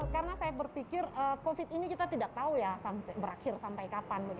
karena saya berpikir covid ini kita tidak tahu ya berakhir sampai kapan